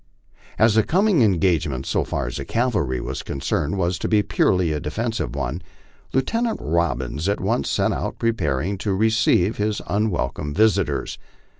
As the coming engagement, so far as the cavalry was concerned, was to be purely a defensive one, Lieutenant Robbins at once set about preparing to re ceive his unwelcome visitors.